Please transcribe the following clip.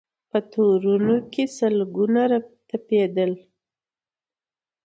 په تورونو کي سل ګونه تپېدله